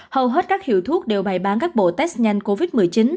hầu hết các hiệu thuốc đều bày bán các bộ test nhanh covid một mươi chín